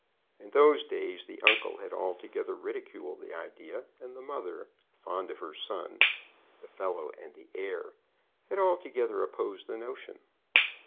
In those days the uncle had altogether ridiculed the idea, and the mother, fond of her son, the fellow and the heir, had altogether opposed the notion.